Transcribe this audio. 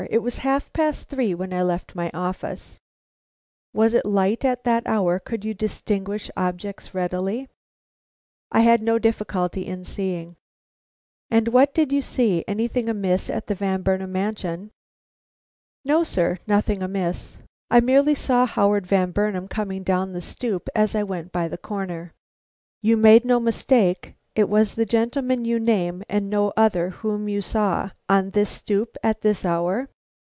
It was half past three when I left my office." "Was it light at that hour? Could you distinguish objects readily?" "I had no difficulty in seeing." "And what did you see? Anything amiss at the Van Burnam mansion?" "No, sir, nothing amiss. I merely saw Howard Van Burnam coming down the stoop as I went by the corner." "You made no mistake. It was the gentleman you name, and no other whom you saw on this stoop at this hour?"